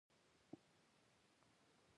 ټول افغانستان دې يوه کس په سر اخيستی.